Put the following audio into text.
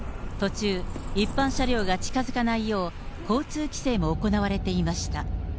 途中、一般車両が近づかないよう、交通規制も行われていました。